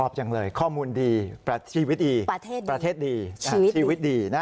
ครอบจังเลยข้อมูลดีประเทศดีชีวิตดี